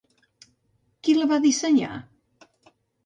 Qui la va dissenyar?